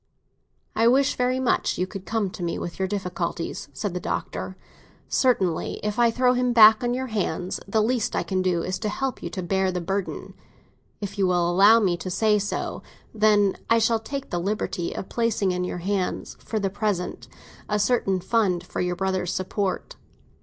"I wish very much you would come to me with your difficulties," said the Doctor. "Certainly, if I throw him back on your hands, the least I can do is to help you to bear the burden. If you will allow me to say so, then, I shall take the liberty of placing in your hands, for the present, a certain fund for your brother's support."